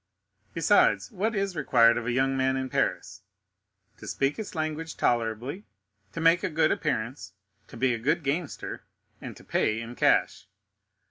Besides, what is required of a young man in Paris? To speak its language tolerably, to make a good appearance, to be a good gamester, and to pay in cash.